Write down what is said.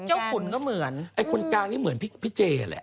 ขุนก็เหมือนไอ้คนกลางนี่เหมือนพี่เจแหละ